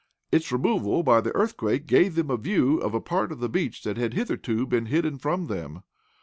Its removal by the earthquake gave them a view of a part of the beach that had hitherto been hidden from them.